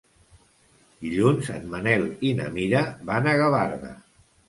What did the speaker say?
Dilluns en Manel i na Mira van a Gavarda.